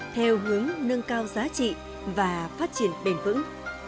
theo hướng nâng cao giá trị và phát triển bền vững